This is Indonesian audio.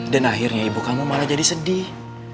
dan akhirnya ibu kamu malah jadi sedih